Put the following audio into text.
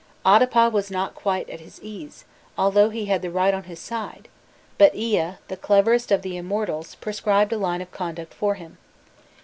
Adapa was not quite at his ease, although he had right on his side; but Ea, the cleverest of the immortals, prescribed a line of conduct for him.